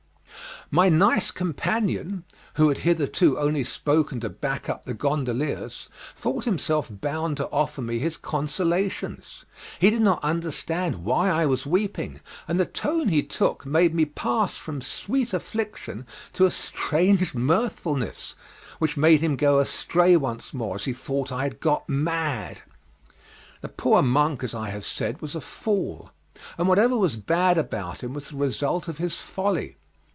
My nice companion who had hitherto only spoken to back up the gondoliers, thought himself bound to offer me his consolations. He did not understand why I was weeping, and the tone he took made me pass from sweet affliction to a strange mirthfulness which made him go astray once more, as he thought I had got mad. The poor monk, as I have said, was a fool, and whatever was bad about him was the result of his folly.